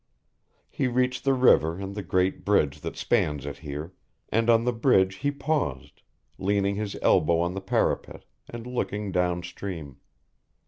He reached the river and the great bridge that spans it here, and on the bridge he paused, leaning his elbow on the parapet, and looking down stream.